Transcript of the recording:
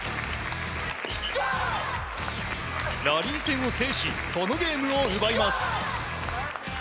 ラリー戦を制しこのゲームを奪います。